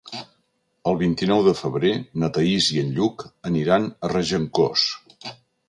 El vint-i-nou de febrer na Thaís i en Lluc aniran a Regencós.